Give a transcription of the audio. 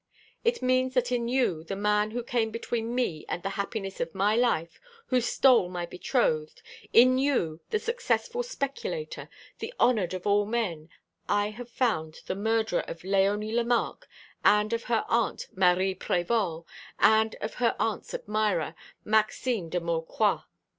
It means that in you, the man who came between me and the happiness of my life, who stole my betrothed in you, the successful speculator, the honoured of all men, I have found the murderer of Léonie Lemarque and of her aunt Marie Prévol, and of her aunt's admirer, Maxime de Maucroix.